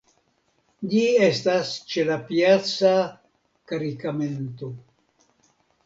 Ĝi estas ĉe la Piazza Caricamento.